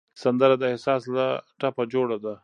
سندره د احساس له ټپه جوړه ده